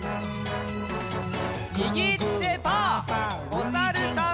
おさるさん。